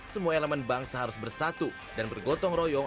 semua elemen bangsa harus bersatu dan bergotong royong